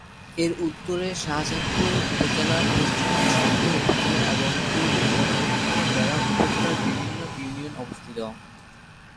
এর উত্তরে শাহজাদপুর উপজেলা, পশ্চিমে সাঁথিয়া উপজেলা এবং পূর্ব ও দক্ষিণে বেড়া উপজেলার বিভিন্ন ইউনিয়ন অবস্থিত।